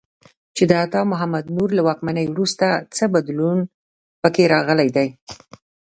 چې د عطا محمد نور له واکمنۍ وروسته څه بدلون په کې راغلی دی.